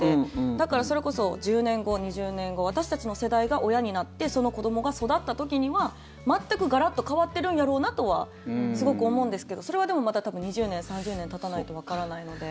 だから、それこそ１０年後、２０年後私たちの世代が親になってその子どもが育った時には全くガラッと変わってるんやろうなとはすごく思うんですけどそれはでも、また多分２０年、３０年たたないとわからないので。